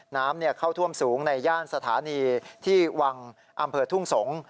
น้ำเข้าท่วมสูงในย่านสถานีที่วังอำเภอทุ่งสงศ์